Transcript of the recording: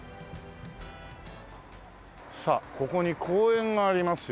さあここに公園がありますよ。